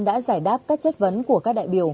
đã giải đáp các chất vấn của các đại biểu